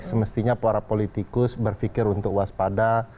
semestinya para politikus berpikir untuk waspada